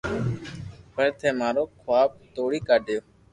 پر ٿي مارو خواب توڙي ڪاڌيو